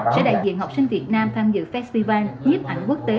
sẽ đại diện học sinh việt nam tham dự festival nhếp ảnh quốc tế